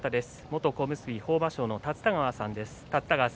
元小結豊真将の立田川さんです。